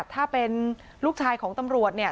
ถ้าเป็นลูกชายของตำรวจเนี่ย